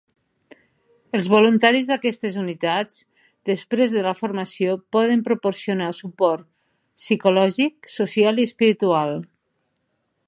Els voluntaris d'aquestes unitats, després de la formació, poden proporcionar suport psicològic, social i espiritual.